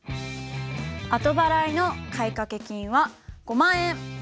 後払いの買掛金は５万円。